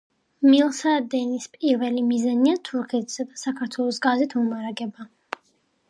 მილსადენის პირველი მიზანია თურქეთისა და საქართველოს გაზით მომარაგება.